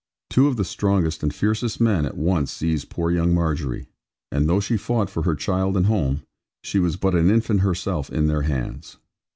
Two of the strongest and fiercest men at once seized poor young Margery; and though she fought for her child and home, she was but an infant herself in their hands.